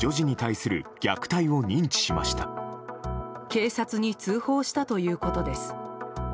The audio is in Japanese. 警察に通報したということです。